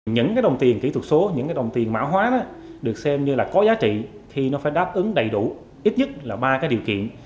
những đồng tiền kỹ thuật số những đồng tiền mã hóa đó được xem như là có giá trị khi nó phải đáp ứng đầy đủ ít nhất là ba điều kiện